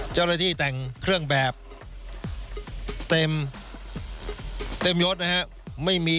เจ้าหน้าที่แต่งเครื่องแบบเต็มยศนะครับ